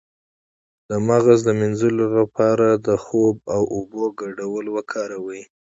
د مغز د مینځلو لپاره د خوب او اوبو ګډول وکاروئ